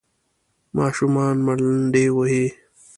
ماشومان منډې وهلې.